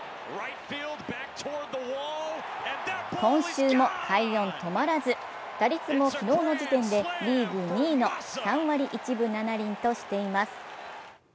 今週も快音止まらず打率も昨日の時点でリーグ２位の３割１分７厘としています。